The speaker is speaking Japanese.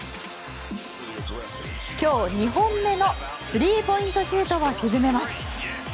今日２本目のスリーポイントシュートを沈めます。